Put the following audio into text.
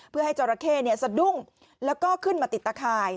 เพื่อให้จราเข้สะดุ้งแล้วก็ขึ้นมาติดตะข่าย